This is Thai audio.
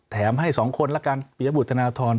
แถมให้๒คนละกันปิจบุตรธนธรรม